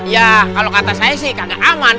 ya kalau kata saya sih agak aman